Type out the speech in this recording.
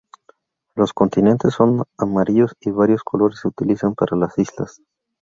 Los continentes son amarillos y varios colores se utilizan para las islas.